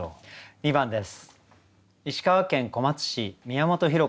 ２番です。